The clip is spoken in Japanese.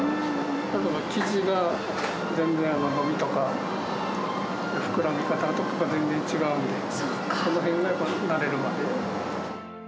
ただ生地が全然、伸びとか膨らみ方とかが全然違うので、そのへんが慣れるまで。